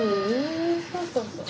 そうそうそう。